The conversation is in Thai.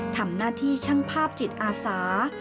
ทำหน้าที่ช่างภาพจิตอาสา